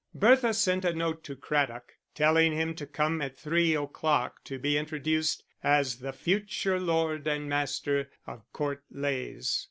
Bertha sent a note to Craddock, telling him to come at three o'clock to be introduced as the future lord and master of Court Leys.